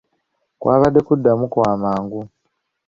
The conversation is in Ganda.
Kwabadde kuddamu kw'amangu.